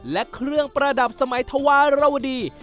และเครื่องประดับสมัยธวรรณวัฒนละวดี